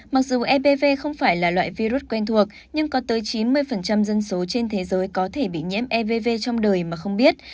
mặc dù epv không phải là loại virus quen thuộc nhưng có tới chín mươi dân số trên thế giới có thể bị nhiễm ev trong đời mà không biết